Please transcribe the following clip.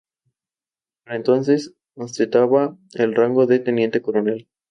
Para entonces ostentaba el rango de teniente coronel.